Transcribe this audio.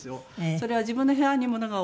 それは自分の部屋に物が多い。